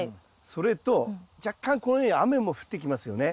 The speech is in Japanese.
それと若干このように雨も降ってきますよね。